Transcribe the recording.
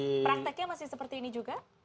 prakteknya masih seperti ini juga